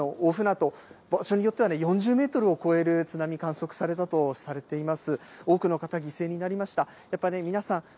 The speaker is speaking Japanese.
大船渡、場所によっては４０メートルを超える津波観測されたとされています。